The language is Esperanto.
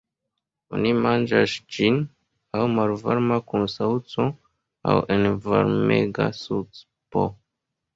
Oni manĝas ĝin aŭ malvarma kun saŭco, aŭ en varmega supo.